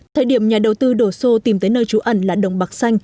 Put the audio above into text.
thời điểm nhà đầu tư đổ xô tìm tới nơi trú ẩn là đồng bạc xanh